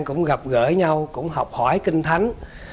cũng gặp gỡ nhau cũng học hỏi kinh thánh